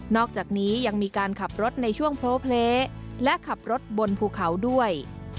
อกจากนี้ยังมีการขับรถในช่วงโพลเพลและขับรถบนภูเขาด้วย